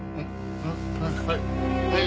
はい。